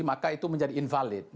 maka itu menjadi invalid